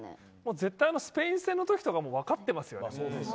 絶対スペイン戦のときも分かってますよ。